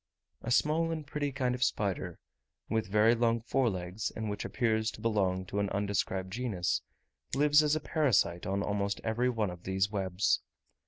A small and pretty kind of spider, with very long fore legs, and which appears to belong to an undescribed genus, lives as a parasite on almost every one of these webs.